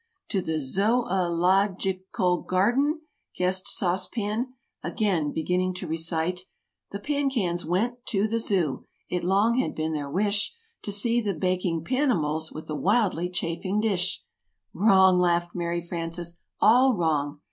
"To the Zo ol og ic al Garden," guessed Sauce Pan, again, beginning to recite: "'The Pan Cans went to the Zoo, It long had been their wish To see the Baking Panimals With the wildly Chafing Dish.'" [Illustration: "To the circus?"] "Wrong!" laughed Mary Frances. "All wrong!